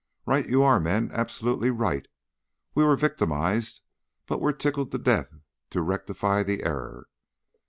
"Right you are, men! Absolutely right. We were victimized, but we're tickled to death to rectify the error.